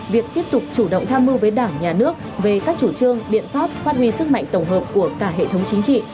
việc tiếp tục chủ động tham mưu với đảng nhà nước về các chủ trương biện pháp phát huy sức mạnh tổng hợp của cả hệ thống chính trị